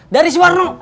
dari si warno